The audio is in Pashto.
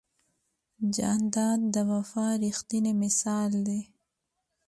جانداد د وفا ریښتینی مثال دی.